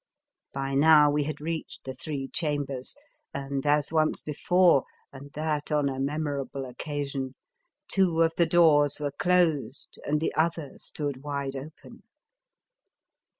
By now we had reached the three chambers, and, as once before, and that on a memorable occasion, two of the doors were closed and the other stood wide open.